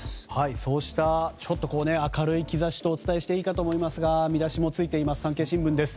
そうした明るい兆しとお伝えしていいと思いますが見出しもついています。